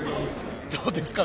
どうですか？